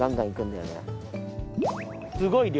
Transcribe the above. すごい量！